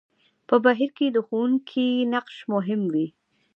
په بهير کې د ښوونکي نقش مهم وي.